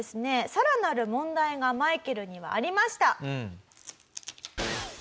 さらなる問題がマイケルにはありました。